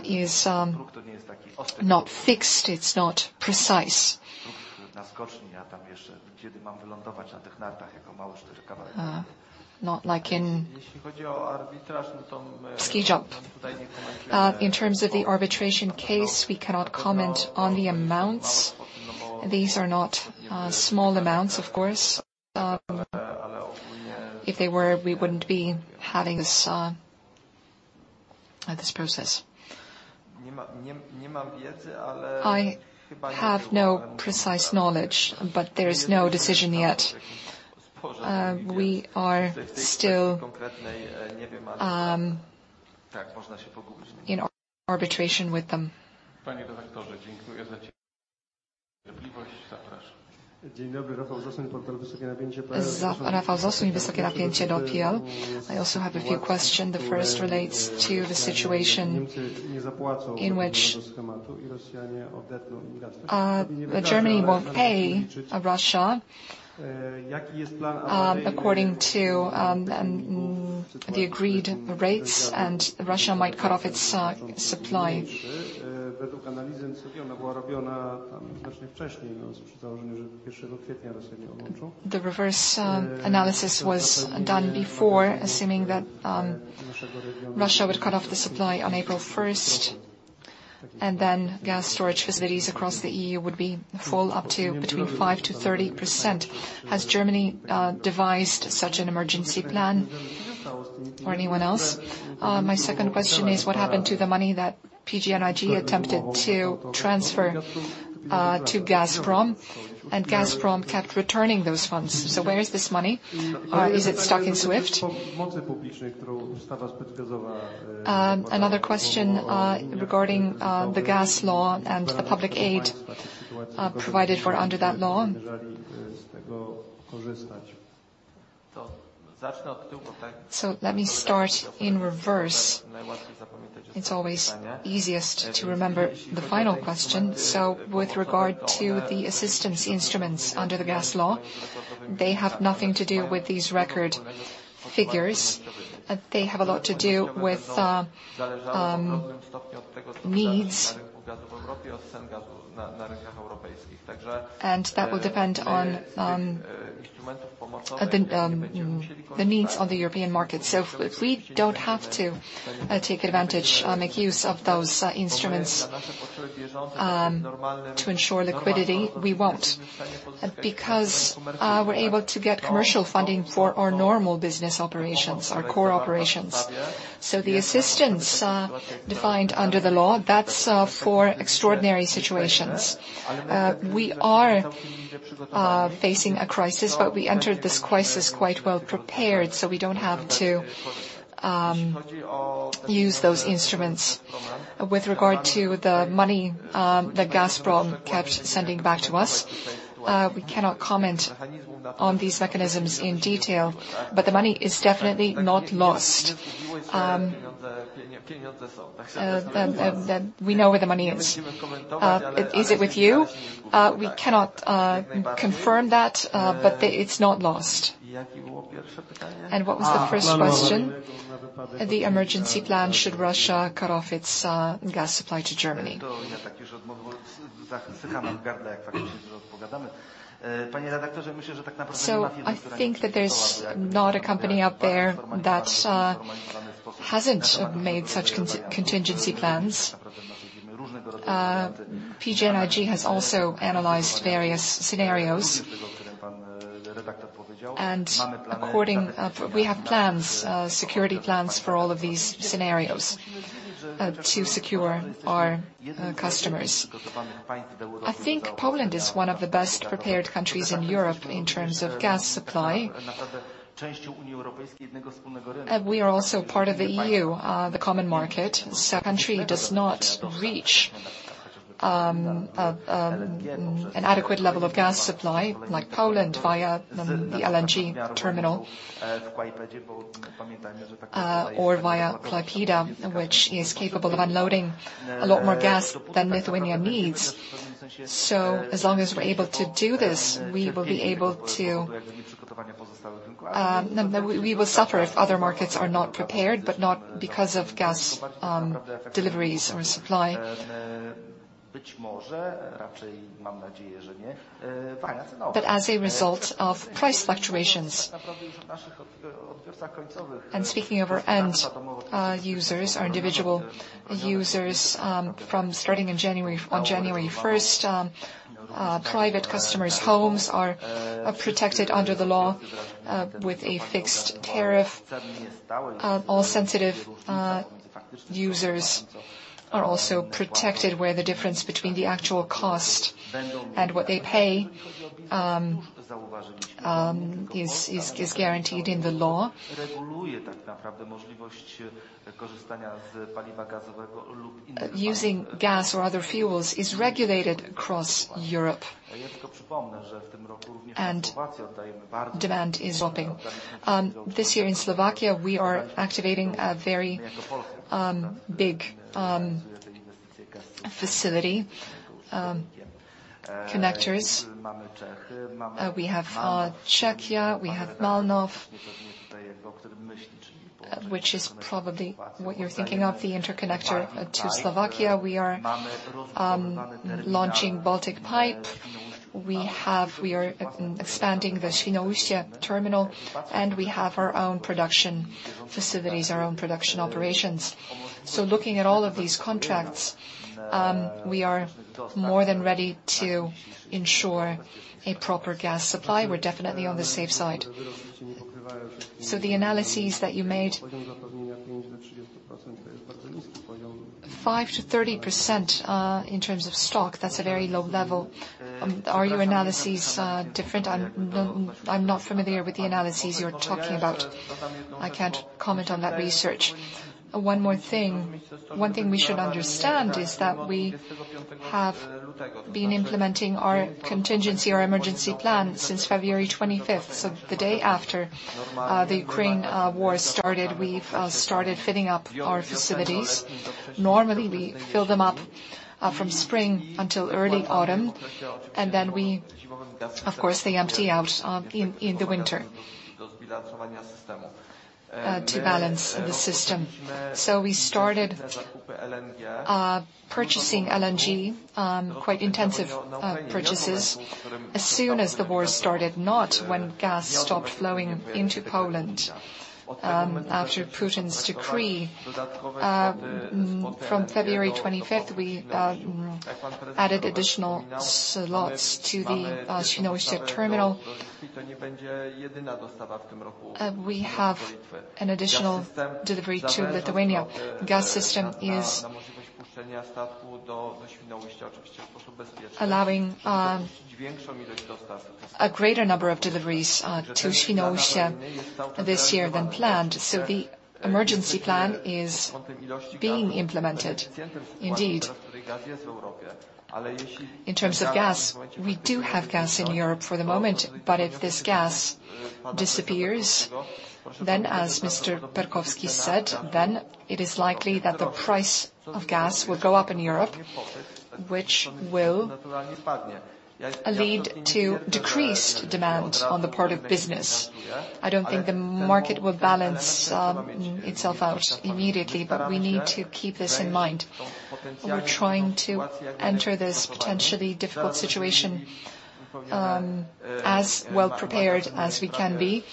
is not fixed. It's not precise. Not like in ski jump. In terms of the arbitration case, we cannot comment on the amounts. These are not small amounts, of course. If they were, we wouldn't be having this process. I have no precise knowledge, but there is no decision yet. We are still in arbitration with them. [inaudible] I also have a few question. The first relates to the situation in which Germany won't pay Russia according to the agreed rates and Russia might cut off its supply. The reverse analysis was done before assuming that Russia would cut off the supply on April first, and then gas storage facilities across the EU would be full up to between 5%-30%. Has Germany devised such an emergency plan or anyone else? My second question is, what happened to the money that PGNiG attempted to transfer to Gazprom, and Gazprom kept returning those funds. Where is this money? Is it stuck in SWIFT? Another question regarding the gas law and the public aid provided for under that law. Let me start in reverse. It's always easiest to remember the final question. With regard to the assistance instruments under the gas law, they have nothing to do with these record figures. They have a lot to do with needs. That will depend on the needs of the European market. If we don't have to take advantage, make use of those instruments to ensure liquidity, we won't. Because we're able to get commercial funding for our normal business operations, our core operations. The assistance defined under the law, that's for extraordinary situations. We are facing a crisis, but we entered this crisis quite well prepared, so we don't have to use those instruments. With regard to the money that Gazprom kept sending back to us, we cannot comment on these mechanisms in detail, but the money is definitely not lost. We know where the money is. Is it with you? We cannot confirm that, but it's not lost. What was the first question? The emergency plan, should Russia cut off its gas supply to Germany. I think that there's not a company out there that hasn't made such contingency plans. PGNiG has also analyzed various scenarios. We have plans, security plans for all of these scenarios, to secure our customers. I think Poland is one of the best prepared countries in Europe in terms of gas supply. We are also part of the EU, the common market. If a country does not reach an adequate level of gas supply like Poland via the LNG terminal, or via Klaipėda, which is capable of unloading a lot more gas than Lithuania needs. As long as we're able to do this, we will be able to. We will suffer if other markets are not prepared, but not because of gas deliveries or supply. But as a result of price fluctuations. Speaking of our end users, our individual users, from starting in January, on January 1st, private customers' homes are protected under the law with a fixed tariff. All sensitive users are also protected, where the difference between the actual cost and what they pay is guaranteed in the law. Using gas or other fuels is regulated across Europe. Demand is dropping. This year in Slovakia, we are activating a very big facility connectors. We have Czechia, we have Mallnow, which is probably what you're thinking of, the interconnector to Slovakia. We are launching Baltic Pipe. We are expanding the Świnoujście terminal, and we have our own production facilities, our own production operations. Looking at all of these contracts, we are more than ready to ensure a proper gas supply. We're definitely on the safe side. The analyses that you made, 5%-30% in terms of stock, that's a very low level. Are your analyses different? I'm not familiar with the analyses you're talking about. I can't comment on that research. One thing we should understand is that we have been implementing our contingency or emergency plan since February 25th. The day after the Ukraine war started, we've started filling up our facilities. Normally, we fill them up from spring until early autumn, and then of course, they empty out in the winter to balance the system. We started purchasing LNG quite intensive purchases as soon as the war started, not when gas stopped flowing into Poland after Putin's decree. From February 25th, we added additional slots to the Świnoujście terminal. We have an additional delivery to Lithuania. Gaz-System is allowing a greater number of deliveries to Świnoujście this year than planned. The emergency plan is being implemented indeed. In terms of gas, we do have gas in Europe for the moment, but if this gas disappears, then as Mr. Perkowski said, then it is likely that the price of gas will go up in Europe, which will lead to decreased demand on the part of business. I don't think the market will balance itself out immediately, but we need to keep this in mind. We're trying to enter this potentially difficult situation as well prepared as we can be.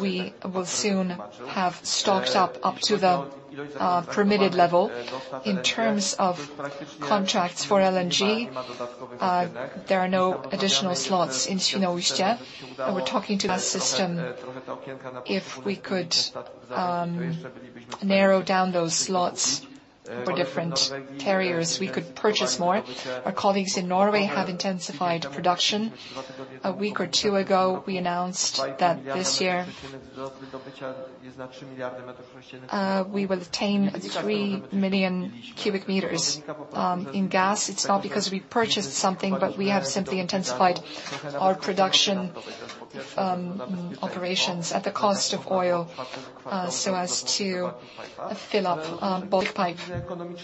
We will soon have stocked up to the permitted level. In terms of contracts for LNG, there are no additional slots in Świnoujście. We're talking to that system. If we could narrow down those slots for different carriers, we could purchase more. Our colleagues in Norway have intensified production. A week or two ago, we announced that this year we will attain 3 million cubic meters in gas. It's not because we purchased something, but we have simply intensified our production operations at the cost of oil so as to fill up both pipelines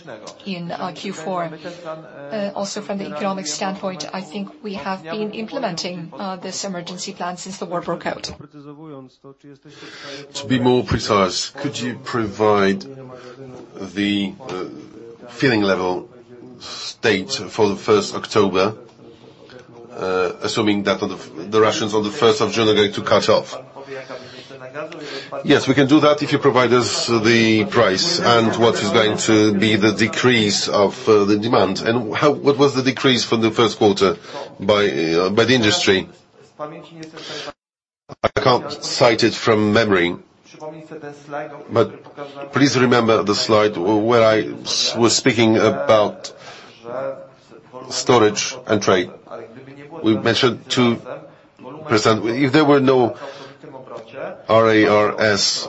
in Q4. Also from the economic standpoint, I think we have been implementing this emergency plan since the war broke out. To be more precise, could you provide the filling level state for the first October, assuming that the Russians on the first of June are going to cut off? Yes, we can do that if you provide us the price and what is going to be the decrease of the demand. What was the decrease for the first quarter by the industry? I can't cite it from memory. Please remember the slide where I was speaking about storage and trade. We mentioned 2%. If there were no RARS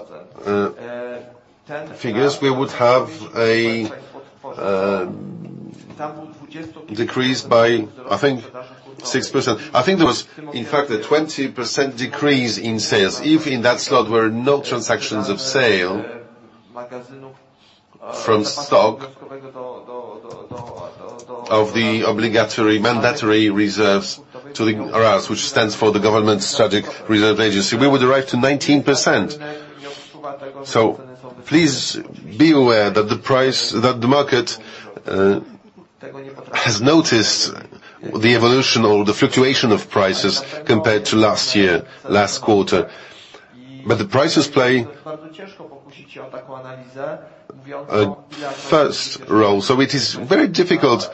figures, we would have a decrease by, I think, 6%. I think there was in fact a 20% decrease in sales. If in that slot were no transactions of sale from stock of the obligatory mandatory reserves to the RARS, which stands for the Government Agency for Strategic Reserves, we would arrive to 19%. Please be aware that the market has noticed the evolution or the fluctuation of prices compared to last year, last quarter. The prices play a first role. It is very difficult.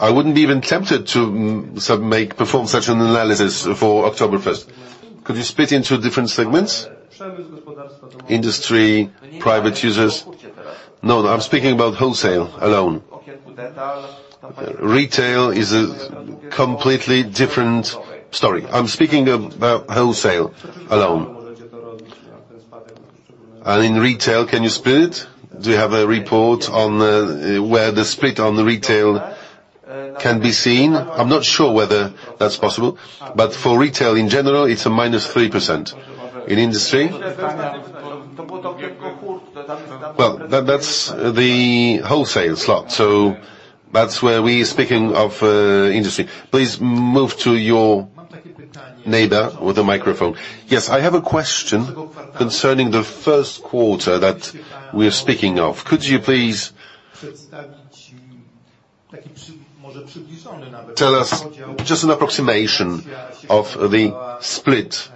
I wouldn't be even tempted to make, perform such an analysis for October 1st. Could you split into different segments? Industry, private users? No, no, I'm speaking about wholesale alone. Retail is a completely different story. I'm speaking about wholesale alone. In retail, can you split? Do you have a report on where the split on the retail can be seen? I'm not sure whether that's possible. For retail in general, it's a -3%. In industry? That's the wholesale slot. That's where we speaking of industry. Please move to your neighbor with the microphone. Yes, I have a question concerning the first quarter that we're speaking of. Could you please tell us just an approximation of the split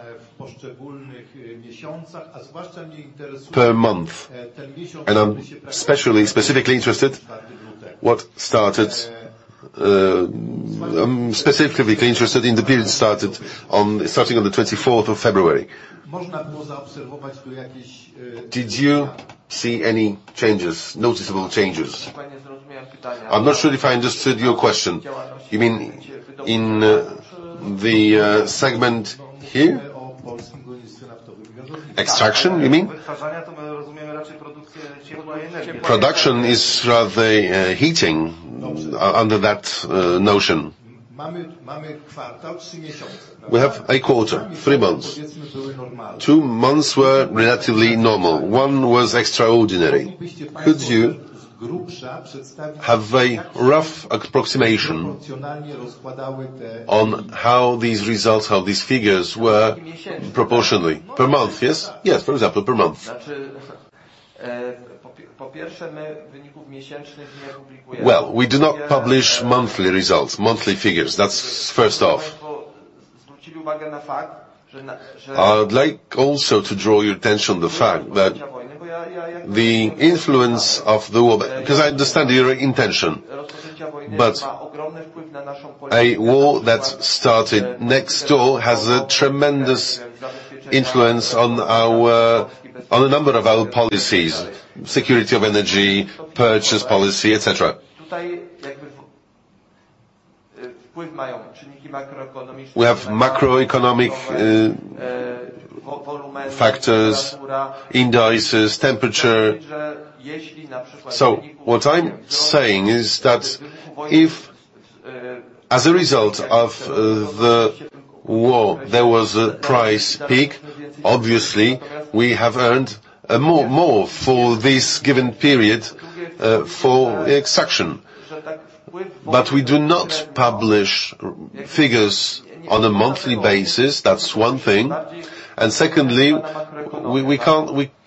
per month? I'm specifically interested in the period starting on the 24th of February. Did you see any changes, noticeable changes? I'm not sure if I understood your question. You mean in the segment here? Extraction, you mean? Production is rather falling under that notion. We have a quarter, three months. Two months were relatively normal. One was extraordinary. Could you have a rough approximation on how these results, how these figures were proportionally per month? Yes, yes, for example, per month. Well, we do not publish monthly results, monthly figures. That's first off. I would like also to draw your attention on the fact that the influence of the war. I understand your intention. A war that started next door has a tremendous influence on a number of our policies, security of energy, purchase policy, et cetera. We have macroeconomic factors, indices, temperature. What I'm saying is that if as a result of the war, there was a price peak, obviously we have earned more for this given period for extraction. We do not publish figures on a monthly basis. That's one thing. Secondly, we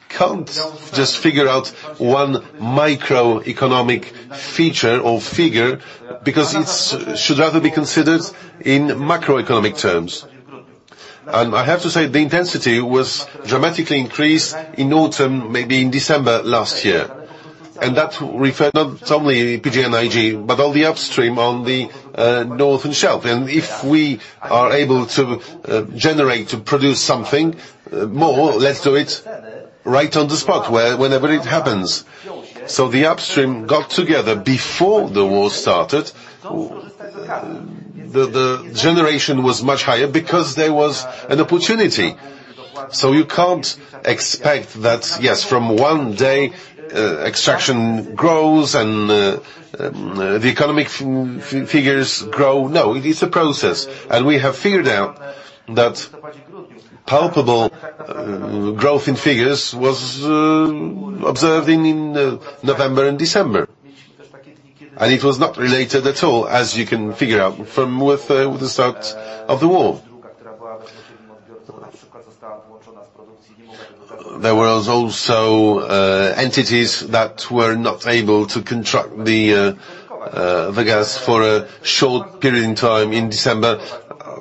can't just figure out one microeconomic feature or figure because it should rather be considered in macroeconomic terms. I have to say, the intensity was dramatically increased in autumn, maybe in December last year. That referred not only PGNiG, but all the upstream on the northern shelf. If we are able to generate to produce something more, let's do it right on the spot where whenever it happens. The upstream got together before the war started. The generation was much higher because there was an opportunity. You can't expect that, yes, from one day, extraction grows and the economic figures grow. No, it is a process. We have figured out that palpable growth in figures was observed in November and December. It was not related at all, as you can figure out, from the start of the war. There was also entities that were not able to contract the gas for a short period of time in December.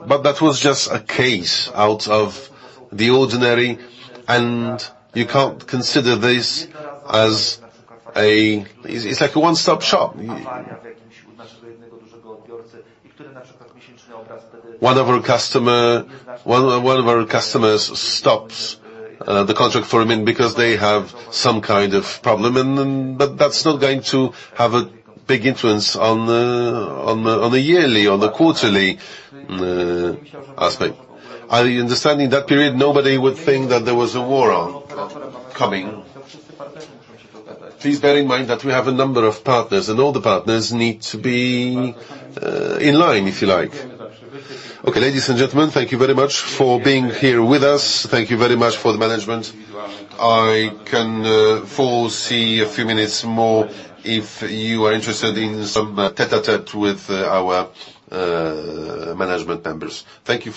That was just a case out of the ordinary, and you can't consider this as a. It's like a one-stop shop. One of our customers stops the contract for a minute because they have some kind of problem and. That's not going to have a big influence on the yearly or the quarterly aspect. Are you understanding? That period, nobody would think that there was a war on coming. Please bear in mind that we have a number of partners, and all the partners need to be in line, if you like. Okay, ladies and gentlemen, thank you very much for being here with us. Thank you very much for the management. I can foresee a few minutes more if you are interested in some tête-à-tête with our management members. Thank you for your-